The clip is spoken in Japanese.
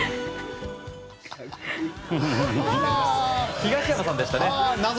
東山さんでしたね。